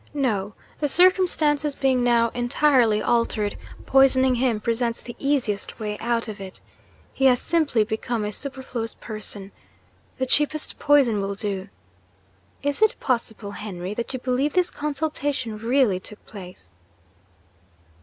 No: the circumstances being now entirely altered, poisoning him presents the easiest way out of it. He has simply become a superfluous person. The cheapest poison will do. Is it possible, Henry, that you believe this consultation really took place?'